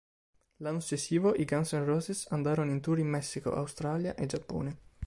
L'anno successivo, i Guns N' Roses andarono in tour in Messico, Australia e Giappone.